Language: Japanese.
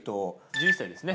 １１歳ですね。